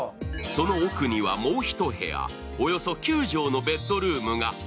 その奥には、もう一部屋およそ９畳のベッドルームが。